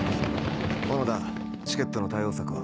小野田チケットの対応策は。